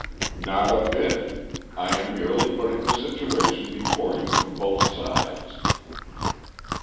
"Not a bit. I am merely putting the situation before you from both sides."